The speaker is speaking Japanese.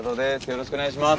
よろしくお願いします。